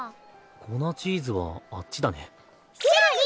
粉チーズはあっちだね。